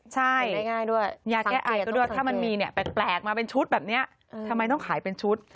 ใช่ยาแก้ไอก็ด้วยถ้ามันมีเนี่ยแปลกมาเป็นชุดแบบนี้ทำไมต้องขายเป็นชุด